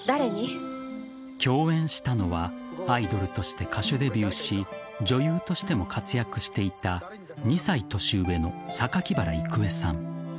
共演したのはアイドルとして歌手デビューし女優としても活躍していた２歳年上の榊原郁恵さん。